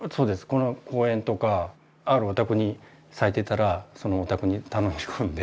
この公園とかあるお宅に咲いてたらそのお宅に頼み込んで。